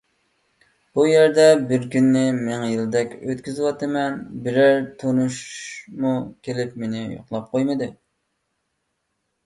بۇ يەردە بىر كۈننى مىڭ يىلدەك ئۆتكۈزۈۋاتىمەن، بىرەر تونۇشمۇ كېلىپ مېنى يوقلاپ قويمىدى.